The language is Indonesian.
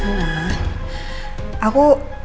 iya sayang tadi aku tuh gak jadi kesana